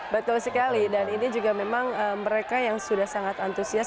betul sekali dan ini juga memang mereka yang sudah sangat antusias